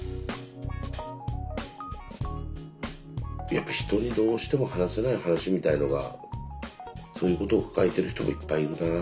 やっぱ人にどうしても話せない話みたいのがそういうことを抱えてる人もいっぱいいるなっていう。